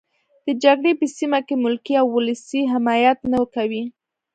د جګړې په سیمه کې ملکي او ولسي حمایت نه کوي.